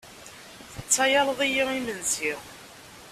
Tettsayaleḍ-iyi imensi.